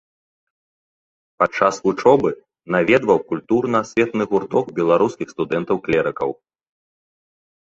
Падчас вучобы наведваў культурна-асветны гурток беларускіх студэнтаў-клерыкаў.